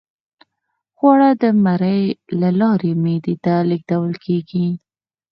خواړه د مرۍ له لارې معدې ته لیږدول کیږي